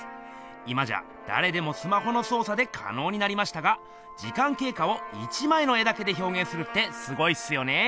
今じゃだれでもスマホのそう作でかのうになりましたが時間けいかを１まいの絵だけでひょうげんするってすごいっすよね！